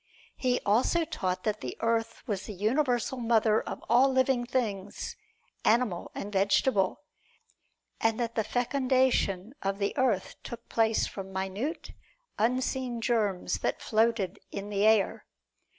He also taught that the earth was the universal mother of all living things, animal and vegetable, and that the fecundation of the earth took place from minute, unseen germs that floated in the air.